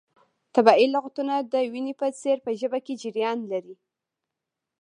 طبیعي لغتونه د وینو په څیر په ژبه کې جریان لري.